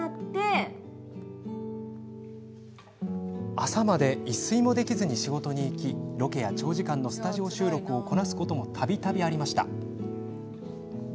朝まで一睡もできずに仕事に行きロケや長時間のスタジオ収録をこなすこともたびたびありました。